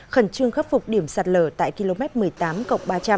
khẩn trương khắc phục điểm sạt lở tại km một mươi tám cộng ba trăm linh